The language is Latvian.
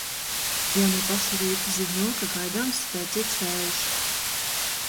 Jau no paša rīta ziņo, ka gaidāms spēcīgs vējš.